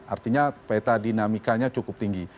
artinya peta dinamikanya cukup tinggi